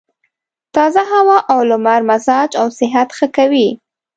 تازه هوا او لمر مزاج او صحت ښه کوي.